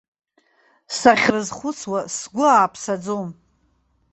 Сахьрызхәыцуа сгәы ааԥсаӡом.